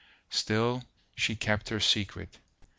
Still she kept her secret.